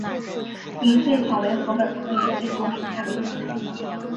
银穗草为禾本科银穗草属下的一个种。